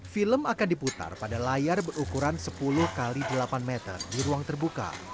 film akan diputar pada layar berukuran sepuluh x delapan meter di ruang terbuka